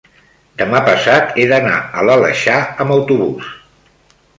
demà passat he d'anar a l'Aleixar amb autobús.